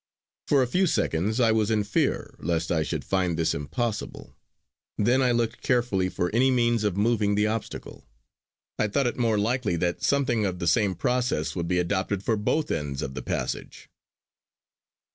For a few seconds I was in fear lest I should find this impossible; then I looked carefully for any means of moving the obstacle. I thought it more than likely that something of the same process would be adopted for both ends of the passage.